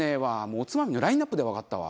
おつまみのラインアップでわかったわ。